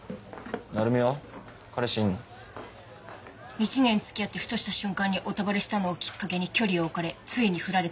１年付き合ってふとした瞬間にヲタバレしたのをきっかけに距離を置かれついにフラれた。